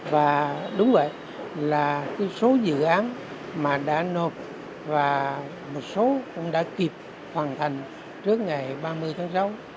và đúng vậy là số dự án mà đã nộp và một số cũng đã kịp hoàn thành trước ngày ba mươi tháng sáu